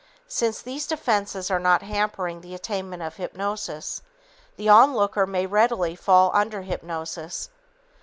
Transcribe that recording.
Since these defenses are not hampering the attainment of hypnosis, the onlooker may readily fall under hypnosis.